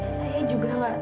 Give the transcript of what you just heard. saya juga gak tau mas